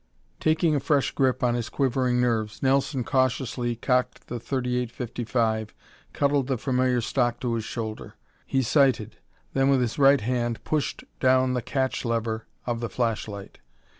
Taking a fresh grip on his quivering nerves, Nelson cautiously cocked the .38 55, cuddled the familiar stock to his shoulder. He sighted, then with his right hand pushed down the catch lever of the flashlight.